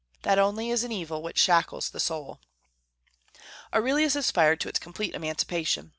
That only is an evil which shackles the soul. Aurelius aspired to its complete emancipation.